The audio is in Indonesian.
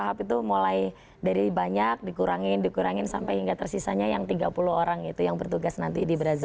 tahap itu mulai dari banyak dikurangin dikurangin sampai hingga tersisanya yang tiga puluh orang itu yang bertugas nanti di brazil